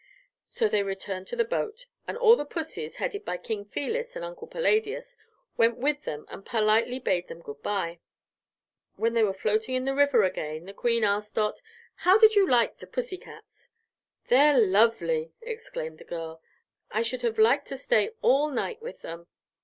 So they returned to the boat, and all the pussys, headed by King Felis and Uncle Palladius, went with them and politely bade them good bye. When they were floating in the river again the Queen asked Dot, "How did you like the pussycats?" "They're lovely!" exclaimed the girl. "I should have liked to stay all night with them."